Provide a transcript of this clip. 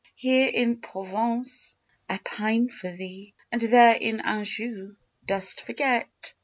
Here in Provence I pine for thee; And there in Anjou dost forget!